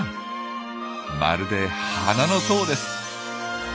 まるで花の塔です。